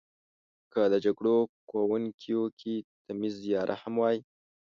که د جګړو کونکیو کې تمیز یا رحم وای.